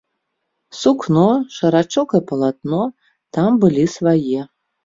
Сукно, шарачок і палатно там былі свае.